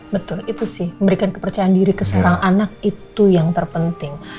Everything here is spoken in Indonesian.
betul itu sih memberikan kepercayaan diri ke seorang anak itu yang terpenting